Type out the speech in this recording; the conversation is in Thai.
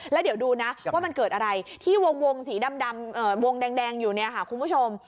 แล้วเดี๋ยวดูนะว่ามันเกิดอะไรที่วงสีดำวงแดงอยู่เนี่ยค่ะคุณผู้ชม